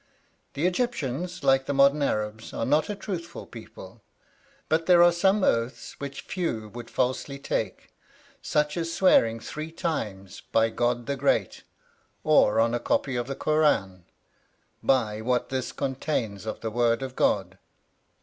The Egyptians, like the modern Arabs, are not a truthful people, but there are some oaths which few would falsely take; such as swearing three times by "God the Great," or on a copy of the Kur ân "By what this contains of the word of God!"